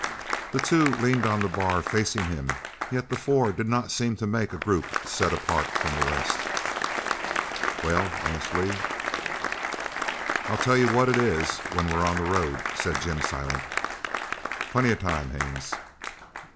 The two leaned on the bar, facing him, yet the four did not seem to make a group set apart from the rest. "Well?" asked Lee. "I'll tell you what it is when we're on the road," said Jim Silent. "Plenty of time, Haines."